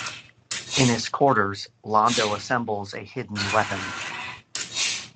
In his quarters, Londo assembles a hidden weapon.